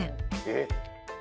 えっ？